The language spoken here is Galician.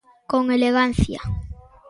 Con elegancia.